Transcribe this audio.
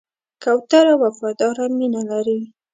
کوتره وفاداره مینه لري.